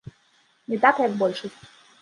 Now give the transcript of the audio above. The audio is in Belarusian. Не так, як большасць.